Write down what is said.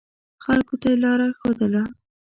خلکو ته یې لاره ښودله.